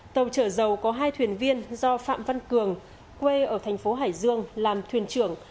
tàu chở dầu có hai thuyền viên do phạm văn cường quê ở thành phố hải dương làm thuyền trưởng